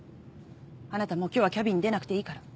あなたもう今日はキャビン出なくていいから。